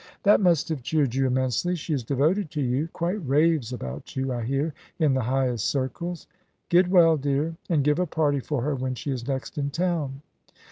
"That must have cheered you immensely. She is devoted to you, quite raves about you, I hear, in the highest circles. Get well, dear, and give a party for her when she is next in town."